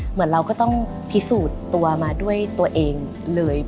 เหมือนเราก็ต้องพิสูจน์ตัวมาด้วยตัวเองเลย